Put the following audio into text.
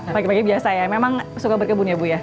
pagi pagi biasa ya memang suka berkebun ya bu ya